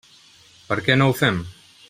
Per què no ho fem?